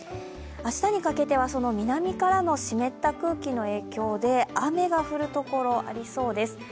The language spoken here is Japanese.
明日にかけては、その南からの湿った空気の影響で雨が降る所、ありそうです。